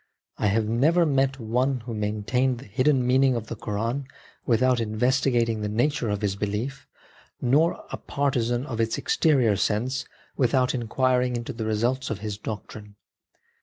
I have never met one who maintained the hidden meaning of the Koran without investigating the nature of his belief, nor a partisan of its exterior sense without inquiring into the results of his doctrine.